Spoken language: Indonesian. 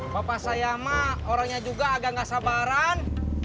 bapak saya mah orangnya juga agak nggak sabaran